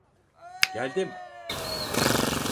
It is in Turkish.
Geldim!